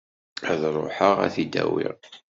Ad ruḥeɣ ad t-id-awiɣ.